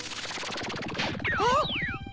あっ。